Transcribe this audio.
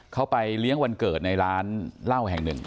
เขาไปเลี้ยงวันเกิดในร้านเหล้าแห่งหนึ่ง